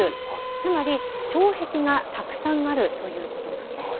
つまり障壁がたくさんがあるということなんです。